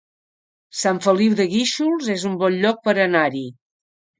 Sant Feliu de Guíxols es un bon lloc per anar-hi